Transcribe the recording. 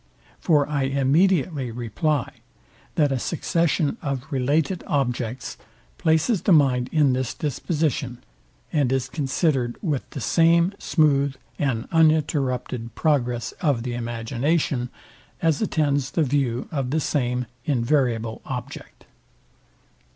For I immediately reply, that a succession of related objects places the mind in this disposition, and is considered with the same smooth and uninterrupted progress of the imagination, as attends the view of the same invariable object.